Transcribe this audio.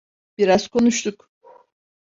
Biraz konuştuk.